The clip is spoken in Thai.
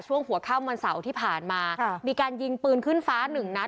ช่วงหัวค่ำวันเสาร์ที่ผ่านมามีการยิงปืนขึ้นฟ้าหนึ่งนัด